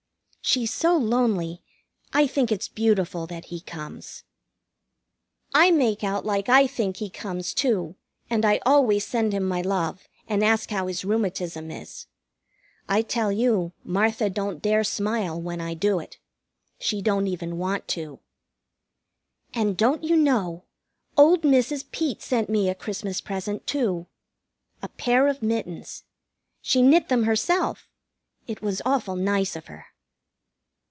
She's so lonely, I think it's beautiful that he comes. I make out like I think he comes, too, and I always send him my love, and ask how his rheumatism is. I tell you, Martha don't dare smile when I do it. She don't even want to. And, don't you know, old Mrs. Peet sent me a Christmas present, too. A pair of mittens. She knit them herself. It was awful nice of her.